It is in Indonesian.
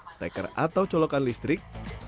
staker atau colokan listrik